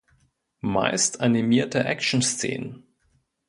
Meist animiert er Action-Szenen.